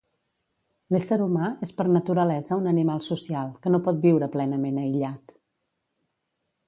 L'ésser humà és per naturalesa un animal social, que no pot viure plenament aïllat.